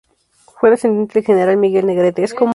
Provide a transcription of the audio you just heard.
Fue descendiente del general Miguel Negrete.